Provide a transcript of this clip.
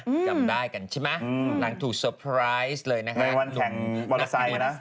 จำได้กันใช่ไหมหลังถูกสเซอร์ไพรส์เลยนะฮะในวันแข่งบอลโลซายนะ